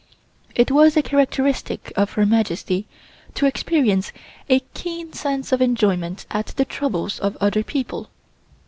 It was a characteristic of Her Majesty to experience a keen sense of enjoyment at the troubles of other people.